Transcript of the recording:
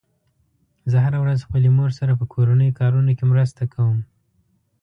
زه هره ورځ خپلې مور سره په کورنیو کارونو کې مرسته کوم